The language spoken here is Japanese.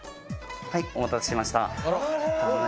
はいお待たせしました。